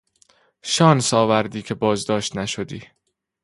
شانس آوردی که بازداشت نشدی.